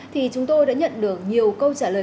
thì chúng tôi đã nhận được nhiều câu trả lời